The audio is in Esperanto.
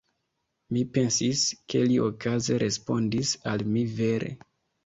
Mi pensis, ke li okaze respondis al mi vere.